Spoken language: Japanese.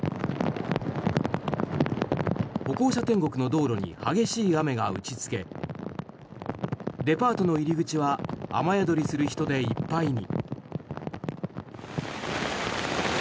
歩行者天国の道路に激しい雨が打ちつけデパートの入り口は雨宿りする人でいっぱいに。